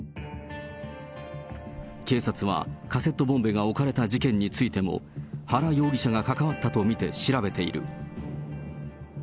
警察はカセットボンベが置かれた事件についても、原容疑者が関わったと見て調べている。